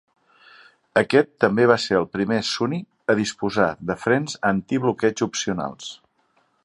Aquest també va ser el primer Sunny a disposar de frens antibloqueig opcionals.